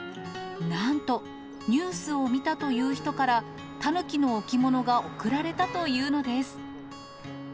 なんと、ニュースを見たという人から、タヌキの置物が贈られたというのです。